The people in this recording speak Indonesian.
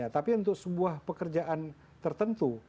tapi untuk sebuah pekerjaan tertentu